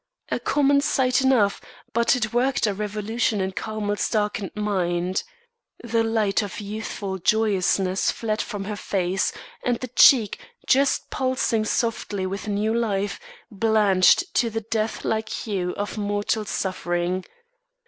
A common sight enough, but it worked a revolution in Carmel's darkened mind. The light of youthful joyousness fled from her face; and the cheek, just pulsing softly with new life, blanched to the death like hue of mortal suffering.